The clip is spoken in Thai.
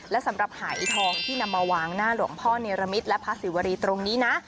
และสำหรับหายทองที่นำมาวางหน้าหลวงพ่อเนรมิตและพระศิวรีตรงนี้นะ